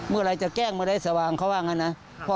เมื่อไหร่จะแกล้งเมื่อได้สว่างเขาว่างั้นนะ